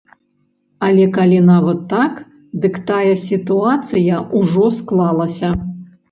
Але калі нават так, дык такая сітуацыя ўжо склалася.